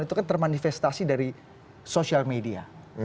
itu kan termanifestasi dari sosial media